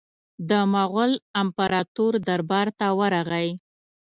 د مغول امپراطور دربار ته ورغی.